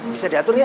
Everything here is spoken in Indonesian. bisa diatur ya